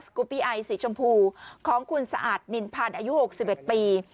สีชมพูของคุณสะอาดนินพันธ์อายุหกสิบเอ็ดปี